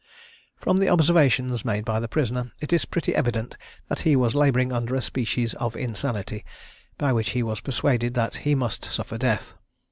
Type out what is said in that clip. From the observations made by the prisoner, it is pretty evident that he was labouring under a species of insanity, by which he was persuaded that he must suffer death.